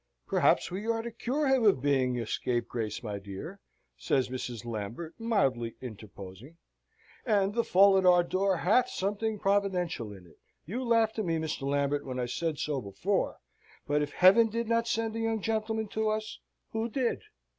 "Perhaps we are to cure him of being a scapegrace, my dear," says Mrs. Lambert, mildly interposing, "and the fall at our door hath something providential in it. You laughed at me, Mr. Lambert, when I said so before; but if Heaven did not send the young gentleman to us, who did?